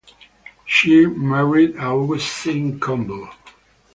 She married Augustin Kombo.